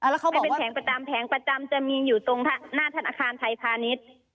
แล้วเขาบอกว่าแผงประจำจะมีอยู่ตรงหน้าธนาคารไทยพาณิชย์